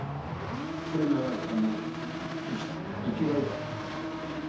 それが生きがいだったですよ。